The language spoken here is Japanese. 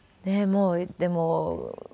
もうでも。